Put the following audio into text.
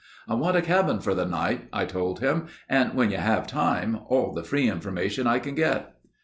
"I want a cabin for the night," I told him, "and when you have time, all the free information I can get."